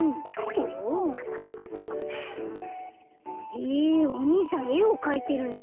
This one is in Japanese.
へえおにいさんえをかいてるんだ。